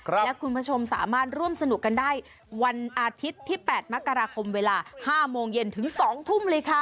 และคุณผู้ชมสามารถร่วมสนุกกันได้วันอาทิตย์ที่๘มกราคมเวลา๕โมงเย็นถึง๒ทุ่มเลยค่ะ